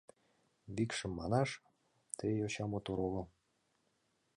Викшым манаш, ты йоча мотор огыл;